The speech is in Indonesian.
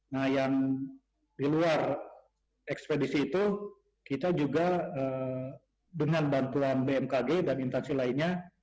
nah yang di luar ekspedisi itu kita juga dengan bantuan bmkg dan intansi lainnya